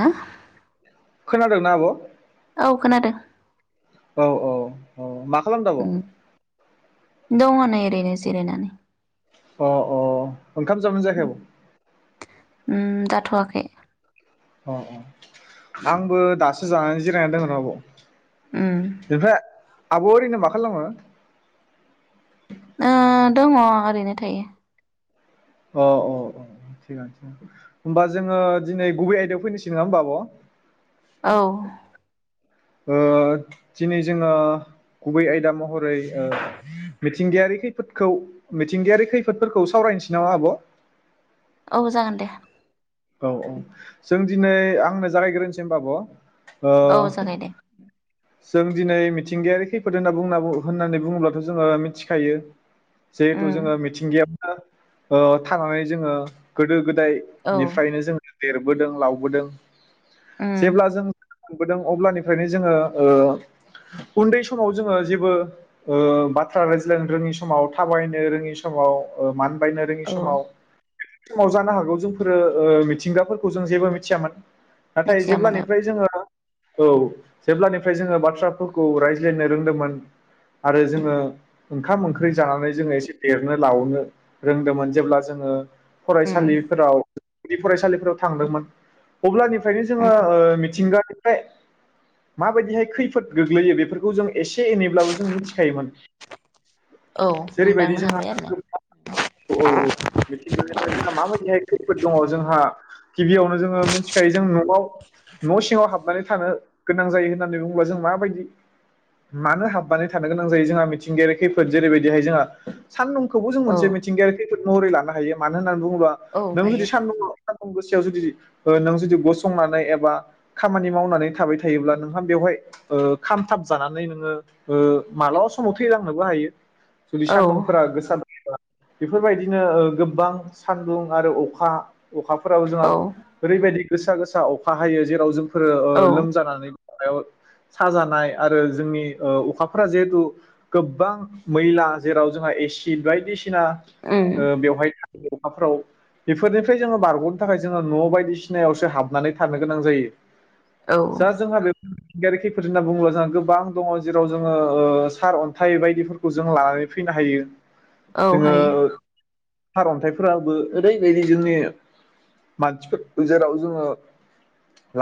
हा खोनादोंना आब औ खोनादो। औ औ औ मा खालाम दो आब दङ नै एरैनो जिरिनानै अ अ ओंखाम जाबाय ना जायाखै आब उम जाथवाखै अ अ आंबो दासो जानानै जिरायनानै दङर आब उम बेफा आब ओरैनो मा खालामो ओ दङ ओरैनो थायो। अ अ अ थिगानो होनोमबा जोङो दिनै गुबै आयदायाव फैनोसै नङा होमबा आब औ ओ दिनै जोङो गुबै आयदा महरै ओ मिथिंगायारि खैफोदखौ मिथिंगायारि खैफोदफोरखौ सावरायनोसै नामा आब औ जागोन दे औ औ जों दिनै आंनो जागायग्रोसै होनबा आब औ ओ जागाय दे जों दिनै मिथिंगायारि खैफोद होनना बुंना बुंनाहोननानै बुङोब्लाथ जोङो मिथिखायो। उम जिहेथु जोङो मिथिंगाया [unintelligible] थानानै जोङो गोदो गोद औ दायनिफ्रायनो जोङो देरबोदों लावबोदों उम जेब्ला जों खुंबोदों अब्लानिफ्रायनो जोङो ओ उन्दै समाव जोङो जेबो ओ बाथ्रा रायज्लायनो रोङि समाव थाबायनो रोङि समाव ओ मानो बायनो रोङि औ समाव समाव जानो हागौ जोंफोरो ओ मिथिंगाफोरखौ जों जेबो मिथियामोन। नाथाय मिथियामोन औ जेब्लानिफ्राय जोङो औ जेब्लानि फ्राय जोङो बाथ्राफोरखौ रायज्लायनो रोंदोंमोन आरो जोङो ओंखाम ओंख्रि जानानै जोङो एसे देरनो लावनो रोंदोंमोन जेब्ला जोङो उम फरायसालिफोराव गुदि फरायसालिफोराव थांदोंमोन अब्लानि नो जोङो उम मिथिंगानि [inaudible] मा बायदिहाय खैफोद गोलैयो बेफोरखौ जों एसे एनैब्लाबो जों मिथिखायोमोन औ जेरैबायदि हमदांनो जोंहा हाबाय आरो ना औ औ मिगफ्राय जोंहा माबायदिहाय खैफोद दङ जोंहा गिबियावनो जोङो मिथिखायो जों नआव न सिङाव हाब माने थानो गोनां जायो होन होननानै बुङोबा जों माबायदि मानो हाबनानै थानो गोनां जायो जोंहा मिथिंगायारि खैफोद जेरैबायदिहाय जोंहा सान नुंखौबो जों औ मोनसे मिथिंगायारि [unintelligible] महरै लानो हायो मानो होन होननानै बुंङोबा औ नों हायो जुदि सान्दुं गोस जुदि नों जुदि गसंनानै एबा खामानि मावनानै थाबाय थायोब्ला नोंहा बेवहाय ओ खामथाब जानानै नोङो ओ मालाबा समाव थैलांनोबो हायो जुदि औ सान्दुंफोरा गोसा [unintelligible] बेफोरबायदिनो गोबां सानदुं आरो अखा अखाफोराब जोंहा औ ओरैबायदि गोसा गोसा अखा हायो जेराव जों फोरो ओ औ लोमजानानै साजानाय आरो जोंनि ओ अखाफोरा जिहेथु गोबां मैला जेराव जोंहा एसिड बायदिसि ना उम ओ बेवहाय अखाफ्राव बेफोरनिफ्राय जोङो बारगनो थाखाय जोङो न बायदिसिनायावसो हाबनानै थानो गोनां जायो औ दा जोंहा बेफो मिथिंगायारि खैफोद होनना बुङोब्ला जोंहा गोबां दङ जेराव जोङो ओ सार अन्थाइ बायदिफोरखौ जों लानानै फैनो हायो औ हायो सारन्थाइफोराबो ओरैबायदि जोंनि मानसिफोर जेराव जोङो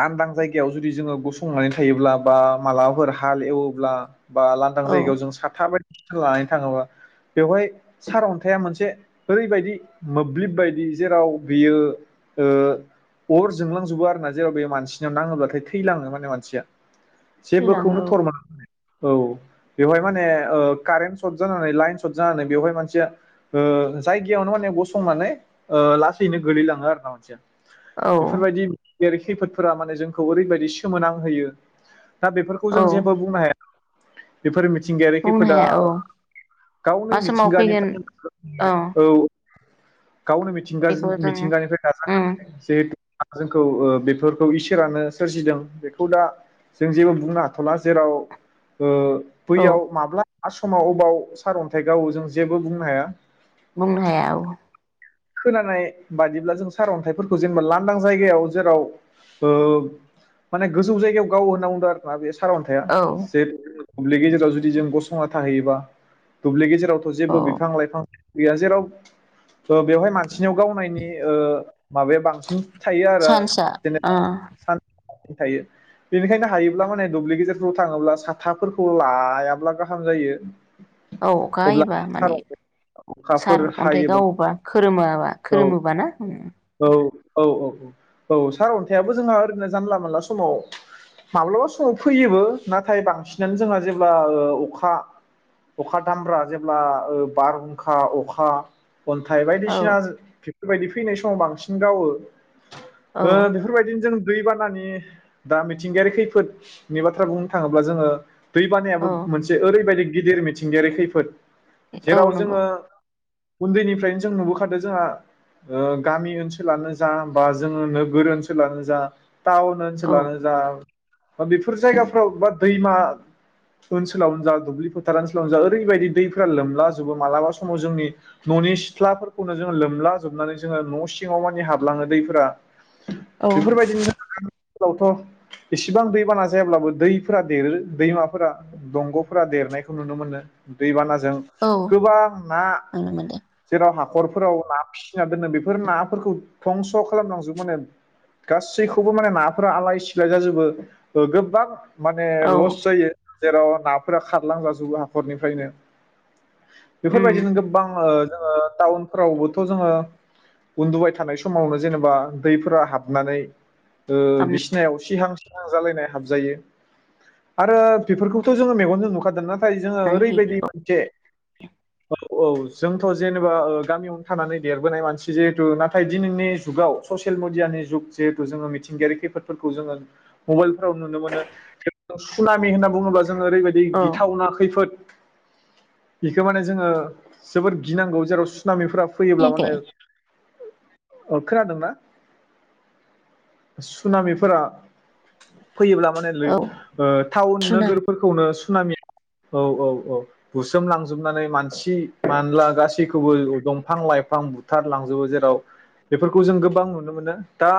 लांदां जायगायाव जुदि जोङो गस संनानै थायोब्ला बा मालाबाफोर हाल एवोब्ला बा लांदां औ जायगायाव जों साथा बायदि लानानै थाङोबा बेवहाय सारअन्थाया मोनसे ओरैबायदि मोब्लिब बायदि जेराव बेयो ओ अर जोंलांजोबो आरो ना जेराव बे मानसिनियाव नाङोब्लाथाय थैलाङो मा ने मानसिया थैलाङो जेबोखौनो थरमोना औ बेवहाय माने ओ कारेन्ट सर्ट जानानै लाइन सर्ट जानानै बेवहाय मानसिया ओ जायगायावनो माने गसंनानै ओ लासैनो गोलैलाङो आरो ना मानसिया औ औ बेफोरबायदि मिथिंगायारि खैफोफोरा माने जोंखौ ओरैबायदि सि सोमोनां होयो दा बेफोरखौ औ जों जेबो बुंनो हाया बेफोर मि मिथिंगायारि बुंनो खैफोदा हाया औ मा गावनो समाव फैगोन मिथिंगानिफ्राय मोन्नाय औ गावनो मिथिंगाजों बेखौ जों मिथिंगानिफ्राय उम दाजाबनानै जिहेथु आ जोंखौ बेफोरखौ इसोरानो सोरजिदों बेखौ दा जों जेबो बुंनो हाथला जेराव ओ औ बैयाव माब्ला आसामाव अबाव सारअन्थाइ गावो जों जेबो बुंनो हाया बुंनो हाया औ खोनानाय बादिब्ला जों सारअन्थाइफोरखौ जेनेबा लांदां जायगायाव जेराव ओ माने गोजौ जायगायाव गावो होना बुंदों आरोना बेस सारअन्थाइआ औ जेथ दुब्लि गेजेराव जुदि जों गसंना थाहैबा दुब्लि गेजे रावथ औ जेबो बिफां लाइफां गैया जेराव ओ बेवहाय मान सिनियाव गावनायनि ओ माबाया बांसिन थायो आरो सान्सआ ओ जेनेबा सान थायो बेनिखायनो हायोब्ला माने दुब्लि गेजेरफोराव थाङोब्ला साथाफोरखौ लायाब्ला गाहाम जायो औ अखा अब्ला हायोबा सार माने अखाफोर सार अन्थाइ हायोबा गावोबा खोरोमाबा औ खोरोमोबा ना औ औ औ औ औ सारअन्थाइआबो जोंहा ओरैनो जानला मोनला समाव माब्लाबा समाव फैयोबो नाथाय बांसिनानो जोंहा जेब्ला अखा अखा दामब्रा जेब्ला बारहुंखा अखा अन्थाइ औ बायदिसिना बेबायदि फैनाय समाव बांसिन गावो। औ ओ बेफोरबायदिनो जों दैबानानि दा मिथिंगायारि खैफोदनि बाथ्रा बुंनो थाङोब्ला जोङो दैबानायाबो औ मोनसे ओरैबायदि गिदिर मिथिंगायारि खैफोद। औ जेराव नंगौ जोङो उन्दैनिफ्रायनो जों नुबोखादों जोंहा गामि ओनसोलानो जा बा जोङो नोगोर ओनसोलानो जा टाउन औ ओनसोलानो जा बा बेफोर जायगाफ्राव बा दैमा ओनसोलावनो जा दुब्लि फोथार ओनसोलावनो जा ओरैबायदि दैफोरा लोमलाजोबो मालाबा समाव जोंनि ननि सिथ्लाफोरखौनो जोङो लोमला जोबनानै जोङो न सिङाव मानि हाबलाङो दैफोरा औ बेफोरबायदिनो इसेबां दैबाना जायाब्लाबो दैफोरा देरो दैमाफोरा दंगफोरा देरनायखौ नुनो मोनो दै बाना जों नुनो गोबां ना मोनदों जेराव हाखरफोराव ना फिसिना दोनो बेफोर नाफोरखौ धंस खालामलांजोबोनो गासैखौबो माने नाफोरा आलाय सिलाय जाजोबो गोबां माने औ लस जायो। जेराव नाफोरा खारलां जाजोबो हाखरनिफ्रायनो। उम बेफोरबायदिनो गोबबां ओ जोङो टाउनफोरावबोथ जोङो उन्दुबाय थानाय समावनो जेनोबा दैफोरा हाबनानै ओ हाबनानै बिसिनायाव सिहां सिहां जालायनाय हाबजायो आरो बेफोरखौथ जोङो मेगनजों नुखादोना। नाथाय जोङो होयो ओरैबायदि मोनसे औ औ जों जेनेबा ओ गामियावनो थानानै देरबोनाय मानसि जिहेतु नाथाय दिनैनि जुगाव ससियेल मडियानि जुग जिहेतु जोङो मिथिंगायारि खैफोदफोरखौ जोङो मबाइल फोराव नुनो मोनो सुनामि होनना‌। बुङोब्ला जोङो ओरैबायदि औ गिथावना खैफोद इखो माने जोङो जोबोद गिनांगौ जेराव सुनामिफोरा फैयोब्ला खोनायाखै माने अ खोनादोंना सुनामिफोरा फैयोब्ला माने लै औ ओ टाउन सुनामि नोगोरफोरखौनो सु सुनामि औ औ औ बुसोम लांजोबनानै मानसि मानला गासैखौबो दंफां लाइफां बुथार लांजोबो जेराव बेफोरखौ जों गोबां नुनो मोनो दा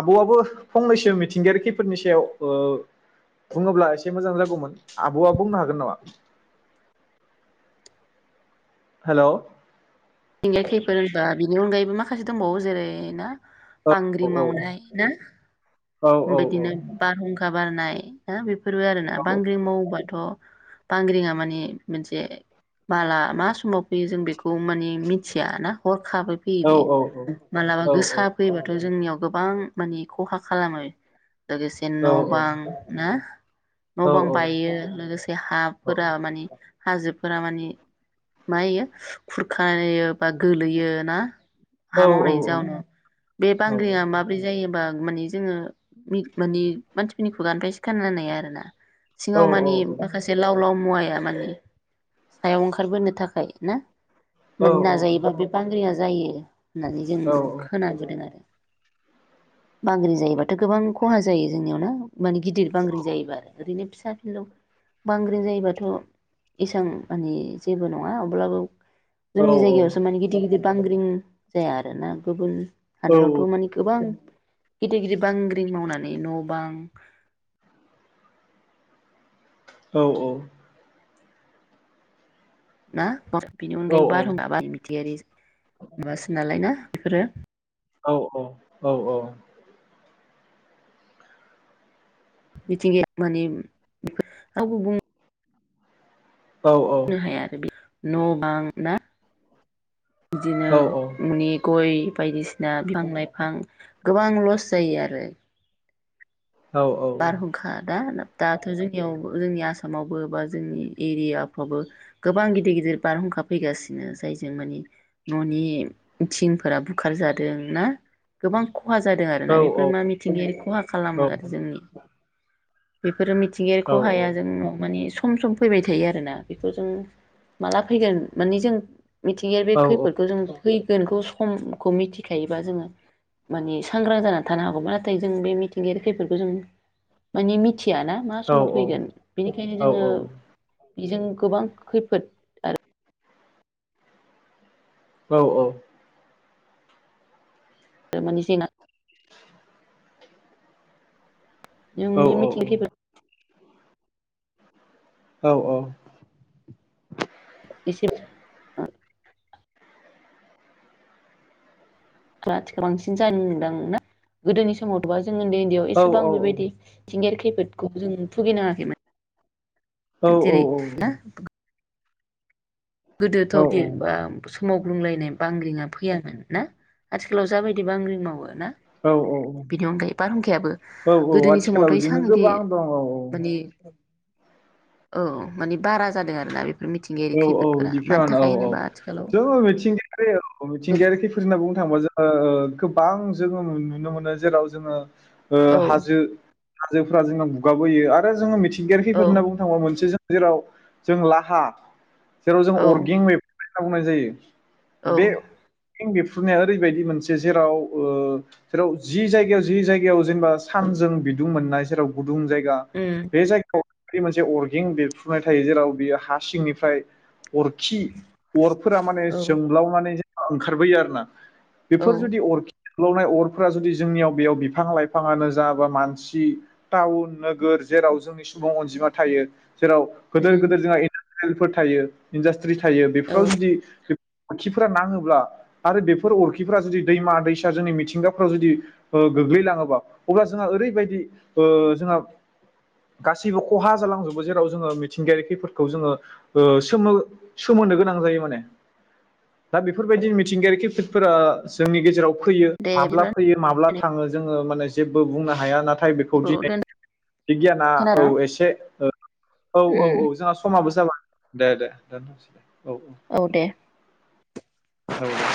आबआबो फंनैसो मिथिंगायारि खैफोदनि सायाव ओ बुङोब्ला एसे मोजां जागौमोन आबआ बुंनो हागोन नामा? हेलौ थिंगायारि खैफोर होनबा बिनि अनगायैबो मा खासे दंबावो जेरै ना औ बांग्रि मावनाय ना? औ उम बिदिनो बारहुं खा बारनाय ना बेफो फोरबो आरो ना बांग्रि मावोबा थ' बांग्रिङा माने मोनसे माला मा समाव फैयो जों बेखौ मानि मिथिया ना हर खाबै फैयो बेयो औ मालाबा गोसा फैयोबाथ' जोंनियाव गोबां मानि खहा खालामो। लोगोसे औ न' बां ना? न' औ बां औ बायो लोगोसे हाफोरा मानि हाजोफोरा मानि मा इयो खुरखायो बा गोलैयो ना? हा मावनायनि जाउनाव बे बांग्रिया माब्रै जायो हमबा मानि जोङो मिक मानि मानसिफोरनि खुगानफ्रायसो खोनानाय आरो ना सिङाव मानि माखासे लाव लाव मुवाया माने सायाव ओंखारबोनो थाखाय ना? मोननाजायोबा बे बांग्रिया जायो। होननानै जों खोनाबोदों आरो। बांग्रिं जायोबा थ' गोबां खहा जायो जोंनियाव ना? माने गिदिर बांग्रिं जायोबा आरो ओरैनो फिस फिसा फिलौ बांग्रिं जायोबाथ' इसां माने जेबो नङा अब्लाबो जोंनि जायगायावसो माने गिदिर गिदिर बांग्रिं जाया आरोना गुबुन हादरावथ' माने गोबां गिदिद गिदिद बांग्रिं मावनानै न' बां औ औ ना? [unintelligible] बिनि औ अनगायैबो औ बार [unintelligible] माबासो नालाय ना बेफोरो। औ औ औ औ मिथिंगाया माने [unintelligible] बुं [unintelligible] हाया आरो बि न बां ना? बिदिनो न'नि गय बायदिसिना बिफां लाइफां गोबां लस जायो आरो। बारहुंखा दा न दाथ जोंनियाव जोंनि आसामावबो बा जोंनि एरियाफ्रावबो गोबां गिदिर गिदिर बारहुंखा फैगासिनो जायजों माने न'नि थिंफोरा बुखारजादों ना? गोबां ख खहा जादों आरोना बेफोर मा मिथिंगायारि खहा खालामो आरो जोंनि। फोर मिथिंगायारि खहाया जोंनाव माने सम सम फैबाय थायो आरोना बेखौ जों माला फैगोन माने जों मिथिंगाया बे खैफदखौ जों फैगोनखौ समखौ मिथिखायोबा जोङो माने सांग्रां जाना थानो हागौमोन नाथाय जों बे मिथिंगायारि खैफोदखौ जों माने मि थियाना मा समाव फैगोन बिनिखायनो जोङो बिजों गोबां खैफोद आरो औ औ [unintelligible] जों बे मिथिं [unintelligible] खैफोद औ औ [unintelligible] आथि खालाव बांसिन जायो ओनदां ना? गोदोनि समावबा जों उन्दै उन्दैयाव एसेबां बेबायदि थिंगायारि खै खैफोदखौ जों भुगिनाङा खैमोन। जेरै ना। गोदोथ' औ [unintelligible] मावगुं लायनाय बांग्रिंआ फैयामोन ना आथिखालाव जाबायदि बांग्रिं मावो ना। औ औ बेनि अनगायै बारहुंखायाबो गोदोनि आथिखालाव समावथ' एसां बिदिनो इदि गोबां दं औ माने औ औ माने बारा जादों आरोना बे बेफोर मिथिंगायारि औ खैफद औ औ जों मिथिंगायारि खैफोद होनना बुंनो थांङोबा जों ओ ओ गोबां जोङो नुनो मोनो जेराव जोङो ओ औ हाजो हाजोफ्रा जोंनाव गुगाबोयो आरो जो मिथिं मिथिंगायारि खौफोद औ होनना बुंनो थांबा मोनसे जों जेराव जों लाहा जेराव जों औ अरगें बे खावनाय जायो औ बे बिरफ्रुनाया ओरैबायदि मोनसे जेराव ओ जेराव जि जायगायाव जि जायगायाव जेनेबा सानजों बिदुं मोननाय जेराव गु दुं जायगा उम बे जायगायाव फ्रि मोनसे अरगें बेरफ्रुनाय थायो जेराव बेयो हा सिंनि ओमफ्राय अरखि अरफोरा माने औ जोंब्लावनानै ओंखारबोयो आरो ना औ बेफोर जुदि अरखि जोंब्लावनाय अरफोरा जुदि जोंनियाव बेयाव बिफां- लाइफाङानो जा बा मानसि टाउन नोगोर जेराव जोंनि सुबुं अनजिमा थायो। जेराव गोदोर उम गोदोर जोंहा फोर थायो इदासथि [unintelligible] थायो औ बेफोराव जुदि अरखिफोरा नाङोब्ला आरो बेफोर अरखिफोरा जुदि दैमा दैसा जोंनि मिथिंगाफोराव जुदि गोग्लैलाङोबा अब्ला जोंहा ओरैबायदि ओ जोंहा गासैबो खहा जालांजोबो जेराव जोङो मिथिंगायारि खैफोरखौ जोङो ओ सोमो-सोमोन्दो गोनां जायो माने दा बेफोरबायदि मिथिंगायारि खैफोदफोरा जोंनि गेजेराव फैयो दे माब्ला बिदिबा फैयो माब्ला थाङो जोङो माने जेबो बुंनो हाया ना थाय बेखौ दिनै दोन बिगियाना औ खोनादों एसे औ औ उम औ जोंहा समाबो जाबाय दे दे दोनथनो सै औ दे औ दे